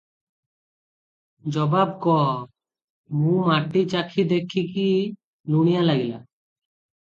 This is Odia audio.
ଜବାବ କଃ - ମୁଁ ମାଟି ଚାଖି ଦେଖିଛି ଲୁଣିଆ ଲାଗିଲା ।